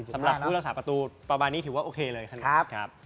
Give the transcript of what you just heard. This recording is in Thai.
สำหรับผู้รักษาประตูประมาณนี้ถือว่าโอเคเลยขนาดนี้ครับ